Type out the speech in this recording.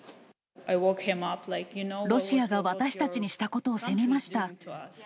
ロシアが私たちにしたことを責めました。